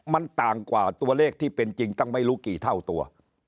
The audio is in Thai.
มันต่างกว่าตัวเลขที่เป็นจริงตั้งไม่รู้กี่เท่าตัว